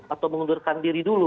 untuk mengundurkan diri dulu